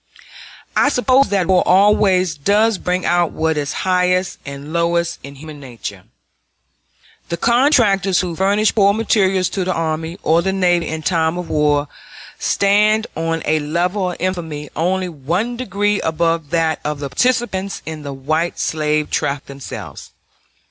I suppose that war always does bring out what is highest and lowest in human nature. The contractors who furnish poor materials to the army or the navy in time of war stand on a level of infamy only one degree above that of the participants in the white slave traffic themselves.